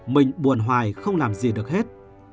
mình buồn hoài không làm gì được hết